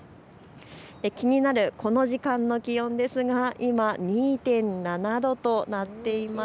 気になるこの時間の気温ですが、今２．７度となっています。